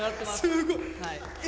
すごい。え？